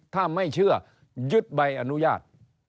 ถ้าไม่เชื่อยึดใบอนุญาต